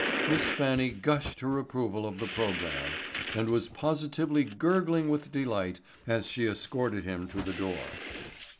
Miss Fannie gushed her approval of the program and was positively gurgling with delight as she escorted him to the door.